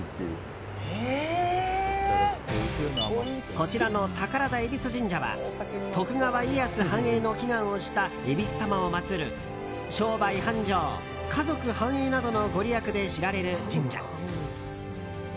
こちらの宝田恵比寿神社は徳川家康繁栄の祈願をした恵比寿様を祭る商売繁盛、家族繁栄などのご利益で知られる神社。